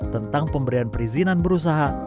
tentang pemberian perizinan berusaha